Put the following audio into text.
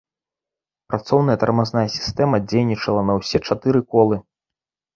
Працоўная тармазная сістэма дзейнічала на ўсе чатыры колы.